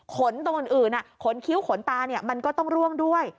ตรงอื่นขนคิ้วขนตามันก็ต้องร่วงด้วย